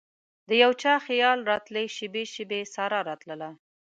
دیو چا خیال راتلي شیبې ،شیبې سارا راتلله